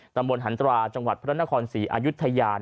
ตำบลหันตราจังหวัดพระนครศรีอายุทยา